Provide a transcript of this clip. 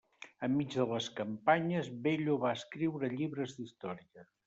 Enmig de les campanyes Bello va escriure llibres d'història.